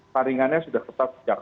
saringannya sudah tetap sejak